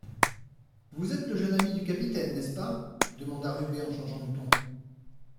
Vous êtes le jeune ami du capitaine, n'est-ce pas ? Demanda Rubé en changeant de ton.